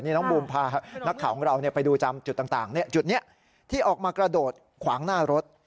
น้องบูมพานักข่าวของเราไปดูตามจุดต่างจุดนี้ที่ออกมากระโดดขวางหน้ารถ